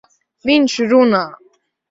Viņš runā!